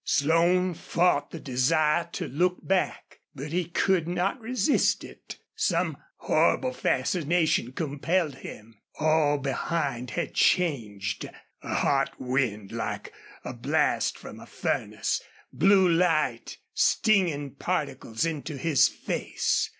Slone fought the desire to look back. But he could not resist it. Some horrible fascination compelled him. All behind had changed. A hot wind, like a blast from a furnace, blew light, stinging particles into his face.